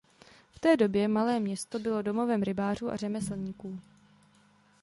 V té době malé město bylo domovem rybářů a řemeslníků.